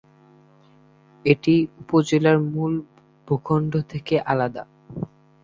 এটি উপজেলার মূল ভূখণ্ড থেকে আলাদা।